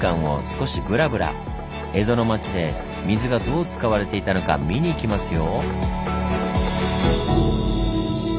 江戸の町で水がどう使われていたのか見に行きますよ。